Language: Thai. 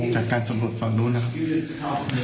จากการสมมติตรอบนู่นนะครับ